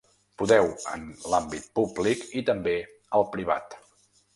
Podeu, en l’àmbit públic i també al privat.